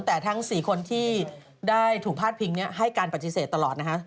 แต่ทั้ง๔คนที่ได้ถูกพาดพิงให้การปฏิเสธตลอดนะฮะ